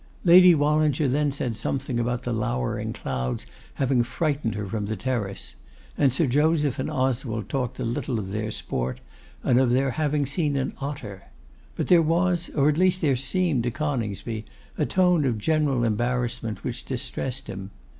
Lady Wallinger then said something about the lowering clouds having frightened her from the terrace, and Sir Joseph and Oswald talked a little of their sport, and of their having seen an otter; but there was, or at least there seemed to Coningsby, a tone of general embarrassment which distressed him.